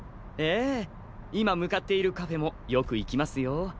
ええ今向かっているカフェもよく行きますよ。